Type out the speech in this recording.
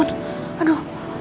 terima kasih ibu